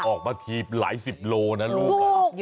ออกมาทีหลายสิบโลนะลูก